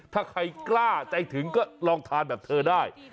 ถ้าใครกล้าใจถึงก็ลองทานแบบเธอได้